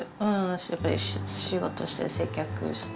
やっぱり仕事して、接客して。